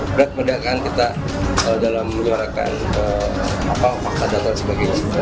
berat perdagangan kita dalam menyuarakan fakta data dan sebagainya